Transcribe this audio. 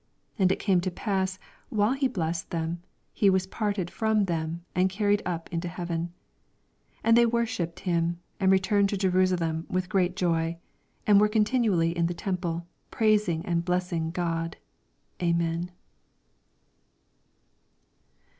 51 And it came to pass, while he blessed them, he was parted ftom them, and carried up into heaven. 52 And they worshipped him, and returned to Jerusalem with groat 58 And were continually in the temple, pnusing and blesamg God* Amen.